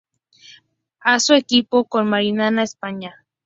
Hizo equipo con Marina España.